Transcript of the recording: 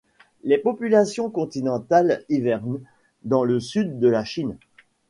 Les populations continentales hivernent dans le sud de la Chine.